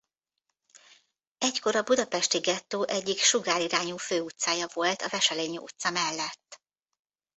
Egykor a budapesti gettó egyik sugárirányú főutcája volt a Wesselényi utca mellett.